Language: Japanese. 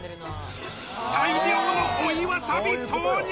大量の追いわさび投入！